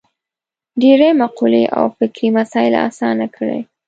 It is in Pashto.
ډېرې مقولې او فکري مسایل اسانه کړي.